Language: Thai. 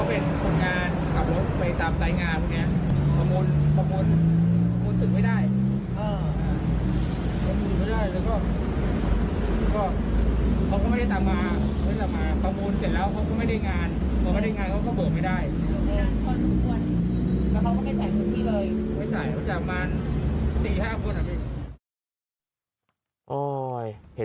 ไม่ใส่เขาจะประมาณ๔๕คนอ่ะพี่